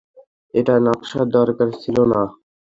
এটার নকশার দরকার ছিল না।